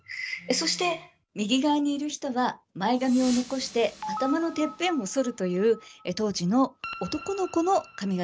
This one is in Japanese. そして右側にいる人は前髪を残して頭のてっぺんを剃るという当時の男の子の髪型をしてます。